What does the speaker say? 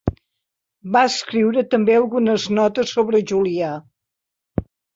Va escriure també algunes notes sobre Julià.